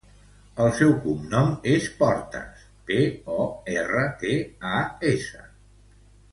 El seu cognom és Portas: pe, o, erra, te, a, essa.